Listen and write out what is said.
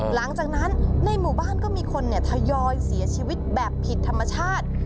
หลังจากนั้นในหมู่บ้านก็มีคนทยอยเสียชีวิตแบบผิดธรรมชาติ